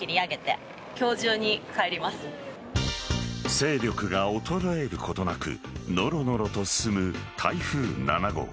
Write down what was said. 勢力が衰えることなくノロノロと進む台風７号。